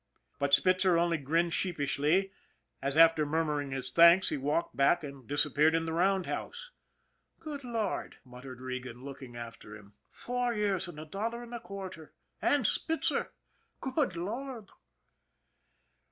" But Spitzer only grinned sheepishly as, after mur muring his thanks, he walked back and disappeared in the roundhouse. " Good Lord !" muttered Regan, looking after him. 72 ON THE IRON AT BIG CLOUD " Four years, and a dollar and a quarter, and Spitzer ! Good Lord!"